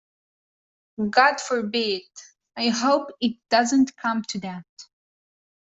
God forbid! I hope it doesn't come to that.